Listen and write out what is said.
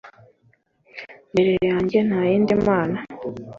Mbere yanjye nta yindi mana